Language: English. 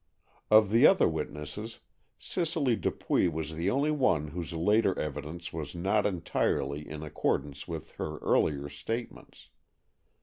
Of the other witnesses, Cicely Dupuy was the only one whose later evidence was not entirely in accordance with her earlier statements.